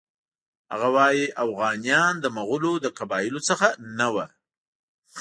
هغه وایي اوغانیان د مغولو له قبایلو څخه نه وو.